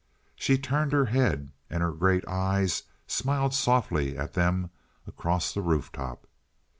She turned her head, and her great eyes smiled softly at them across the roof top.